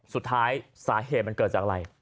สุดท้ายสาเหตุมันเกิดจากอะไร